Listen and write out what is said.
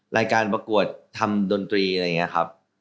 รายการประกวดทำดนตรีอะไรอย่างนี้ครับ